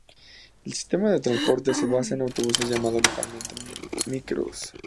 El sistema de transporte se basa en autobuses llamados localmente "micros.